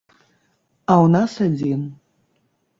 А ў нас адзін.